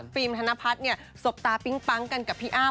ฟิล์มธนพัฒน์เนี่ยสบตาปิ๊งปั๊งกันกับพี่อ้าม